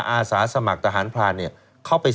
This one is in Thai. คุณนิวจดไว้หมื่นบาทต่อเดือนมีค่าเสี่ยงให้ด้วย